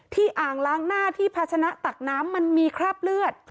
อ่างล้างหน้าที่ภาชนะตักน้ำมันมีคราบเลือด